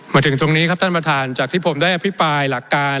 มาถึงตรงนี้ครับท่านประธานจากที่ผมได้อภิปรายหลักการ